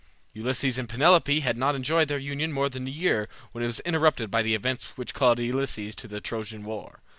Ulysses and Penelope had not enjoyed their union more than a year when it was interrupted by the events which called Ulysses to the Trojan war.